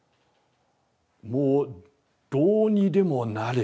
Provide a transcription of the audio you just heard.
もうどうにでもなれ。